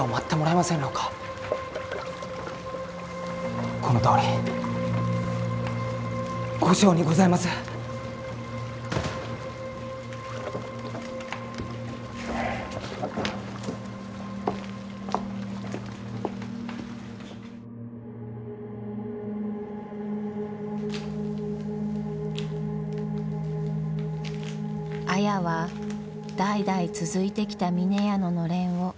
綾は代々続いてきた峰屋ののれんを下ろすことにしました。